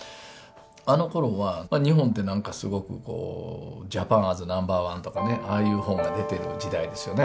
あのころは日本ってなんかすごくこう「ＪａｐａｎａｓＮＯ．１」とかねああいう本が出てる時代ですよね